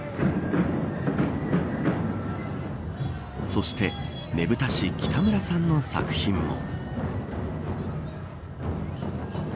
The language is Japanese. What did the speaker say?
そしてねぶた師、北村さんの作品も。